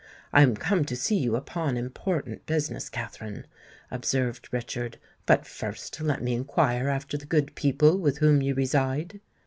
"I am come to see you upon important business, Katherine," observed Richard. "But first let me inquire after the good people with whom you reside?"